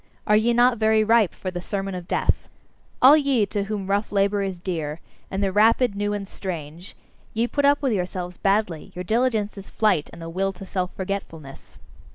Are ye not very ripe for the sermon of death? All ye to whom rough labour is dear, and the rapid, new, and strange ye put up with yourselves badly; your diligence is flight, and the will to self forgetfulness.